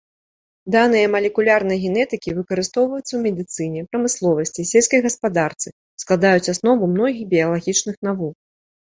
Даныя малекулярнай генетыкі выкарыстоўваюцца ў медыцыне, прамысловасці, сельскай гаспадарцы, складаюць аснову многіх біялагічных навук.